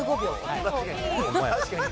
確かに。